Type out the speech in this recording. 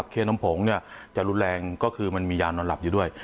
เคนมผงจะรุนแรงก็คือมันมียานอนหลับอยู่ด้วย